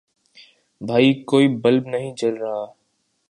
بھائی کوئی بلب نہیں جل رہا